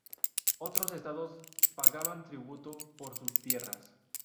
Otros Estados pagaban tributo por sus tierras.